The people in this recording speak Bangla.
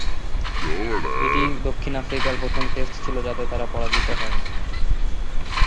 এটিই দক্ষিণ আফ্রিকার প্রথম টেস্ট ছিল যাতে তারা পরাজিত হয়নি।